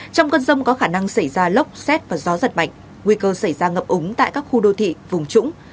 trong cơn rông có khả năng xảy ra lốc xét và gió giật mạnh nguy cơ xảy ra ngập úng tại các khu đô thị vùng trũng